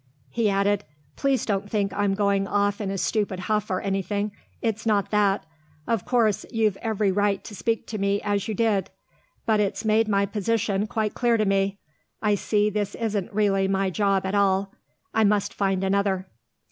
He added, "Please don't think I'm going off in a stupid huff or anything. It's not that. Of course, you've every right to speak to me as you did; but it's made my position quite clear to me. I see this isn't really my job at all. I must find another."